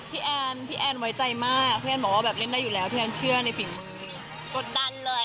แอนพี่แอนไว้ใจมากพี่แอนบอกว่าแบบเล่นได้อยู่แล้วพี่แอนเชื่อในฝีมือกดดันเลย